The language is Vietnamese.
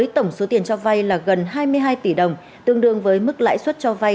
tổng số tiền cho vay là gần hai mươi hai tỷ đồng tương đương với mức lãi suất cho vay